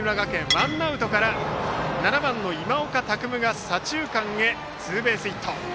ワンアウトから７番の今岡拓夢が左中間へツーベースヒット。